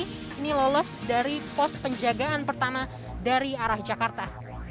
ini lolos dari pos penjagaan pertama dari arah jakarta